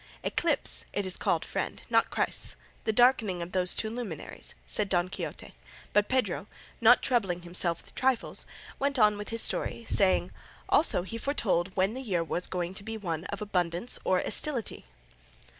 "Eclipse it is called, friend, not cris, the darkening of those two luminaries," said Don Quixote; but Pedro, not troubling himself with trifles, went on with his story, saying, "Also he foretold when the year was going to be one of abundance or estility."